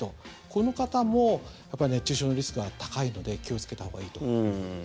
この方もやっぱり熱中症のリスクが高いので気をつけたほうがいいと思います。